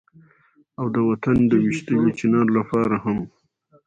او د وطن د ويشتلي چينار لپاره هم